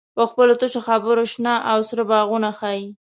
په خپلو تشو خبرو شنه او سره باغونه ښیې.